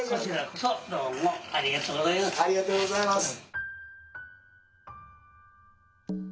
こちらこそどうもありがとうございます。